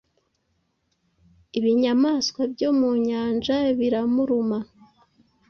Ibinyamanswa byo mu nyanja biramuruma